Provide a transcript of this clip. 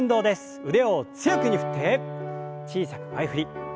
腕を強く振って小さく前振り。